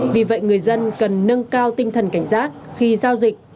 vì vậy người dân cần nâng cao tinh thần cảnh giác khi giao dịch